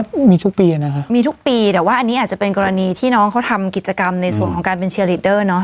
วัดรับน้องก็มีทุกปีอ่ะนะคะมีทุกปีแต่ว่าอันนี้อาจจะเป็นกรณีที่น้องเขาทำกิจกรรมในส่วนของการเป็นเนอะ